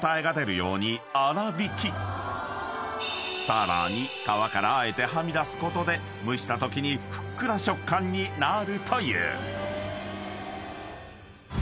［さらに皮からあえてはみ出すことで蒸したときにふっくら食感になるという］